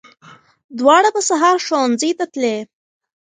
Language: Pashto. دواړه به هر سهار ښوونځي ته تلې